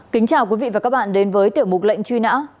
kính chào quý vị và các bạn đến với tiểu mục lệnh truy nã